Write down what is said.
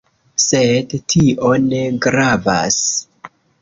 Sed tio ne gravas.